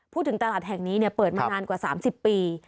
พูดถึงตลาดแห่งนี้เปิดมานานกว่า๓๐ปี